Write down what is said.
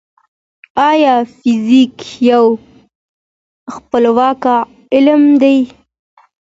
ايا فزيک يو خپلواک علم دی؟